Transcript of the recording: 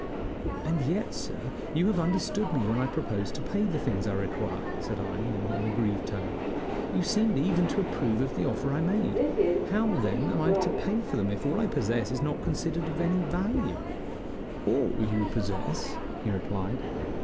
"And yet, sir, you said you understood me when I proposed to pay for the things I require," said I, in an aggrieved tone. "You seemed even to approve of the offer I made. How, then, am I to pay for them if all I possess is not considered of any value?" "All you possess!" he replied.